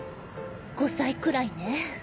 ５歳くらいね。